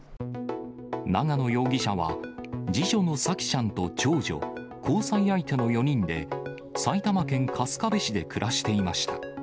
長野容疑者は、次女の沙季ちゃんと長女、交際相手の４人で、埼玉県春日部市で暮らしていました。